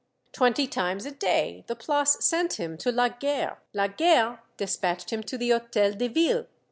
Twenty times a day the Place sent him to La Guerre, La Guerre despatched him to the Hotel de Ville.